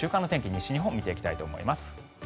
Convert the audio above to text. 西日本を見ていきたいと思います。